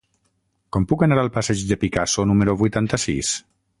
Com puc anar al passeig de Picasso número vuitanta-sis?